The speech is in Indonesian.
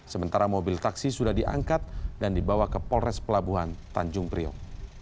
sementara mobil taksi sudah diangkat dan dibawa ke polres pelabuhan tanjung priok